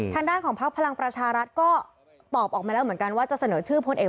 ทางด้านของพักพลังประชารัฐก็ตอบออกมาแล้วเหมือนกันว่าจะเสนอชื่อพลเอก